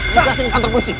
memegangkan kontrol polisi